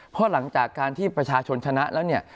เพราะหลังจากการที่ประชาชนชนะแล้วเนี่ย